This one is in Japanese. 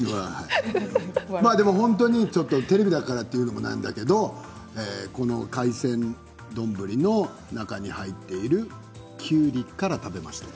本当に、テレビだからというのもなんだけれど海鮮丼の中に入っているきゅうりから食べました。